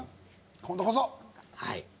今度こそ。